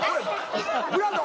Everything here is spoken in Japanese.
「ブランド。